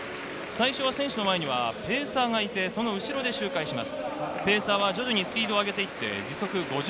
最初は選手の前にはペイサーがいて、その後ろで周回します。